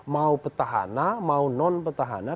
mau petahana mau non petahana